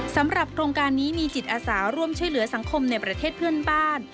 สำหรับโครงการนี้มีจิตอาสาร่วมช่วยเหลือสังคมในประเทศเพื่อนบ้าน